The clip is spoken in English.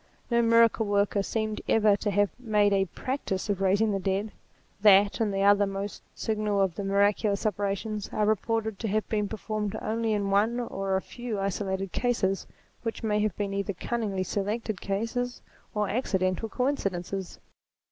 No miracle worker seems ever to have made a practice of raising the dead : that and the other most signal of the miraculous operations are reported to have been performed only in one or a few isolated cases, which may have been either cunningly selected cases, or accidental coincidences.